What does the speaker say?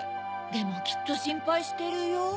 でもきっとしんぱいしてるよ。